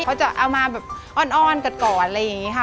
เขาจะเอามาแบบอ้อนกันก่อนอะไรอย่างนี้ค่ะ